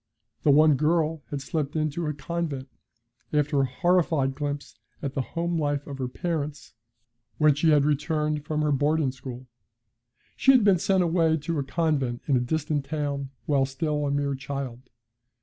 The one girl had slipped into a convent, after a horrified glimpse at the home life of her parents when she had returned from her boarding school. She had been sent away to a convent in a distant town while still a mere child.